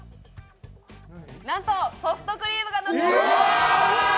なんとソフトクリームがのっているんです！